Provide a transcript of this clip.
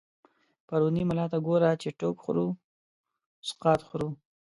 پرو ني ملا ته ګوره، چی ټو ک خور و سقا ط خورو